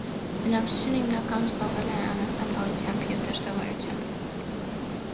Բնակչությունը հիմնականում զբաղվել է անասնապահությամբ ու դաշտավարությամբ։